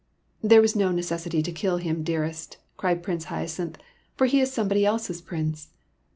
"There was no necessity to kill him, dearest," cried Prince Hyacinth, "for he is somebody else's Prince."